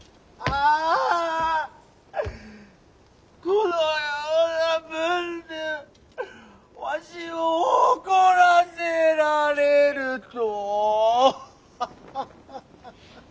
このような文でわしを怒らせられるとハッハッハッ。